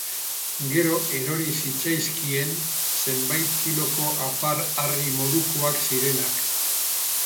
Gero erori zitzaizkien, zenbait kiloko apar-harri modukoak zirenak.